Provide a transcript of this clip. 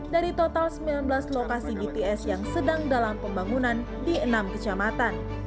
dari total sembilan belas lokasi bts yang sedang dalam pembangunan di enam kecamatan